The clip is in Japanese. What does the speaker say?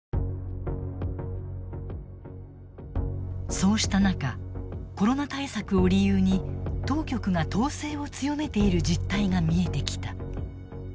そうした中コロナ対策を理由に当局が統制を強めている実態が見えてきた。